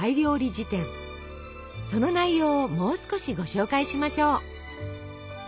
その内容をもう少しご紹介しましょう。